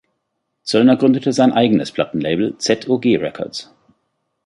Zöllner gründete sein eigenes Plattenlabel "ZuG-Records".